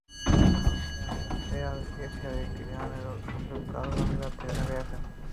তিনি এয়ার এশিয়ার একটি বিমানে সংযুক্ত আরব আমিরাত থেকে ঢাকায় আসেন।